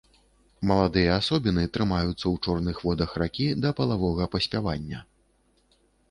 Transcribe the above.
Маладыя асобіны трымаюцца ў чорных водах ракі да палавога паспявання.